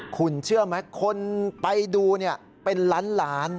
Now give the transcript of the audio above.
คุณเชื่อไหมคนไปดูเป็นล้านล้าน